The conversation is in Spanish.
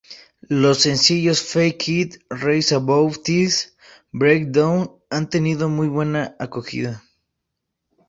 Los sencillos "Fake It", "Rise Above This", "Breakdown" han tenido muy buena acogida.